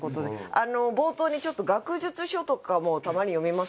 冒頭にちょっと学術書とかもたまに読みますみたいな事。